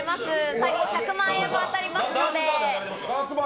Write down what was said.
最高１００万円も当たりますので。